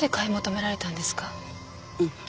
うん。